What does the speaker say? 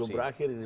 belum berakhir ini